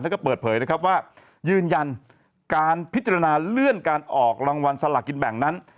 แล้วก็เปิดเผยนะครับว่ายืนยันการพิจารณาเลื่อนการออกรางวัลสลากินแบ่งนั้น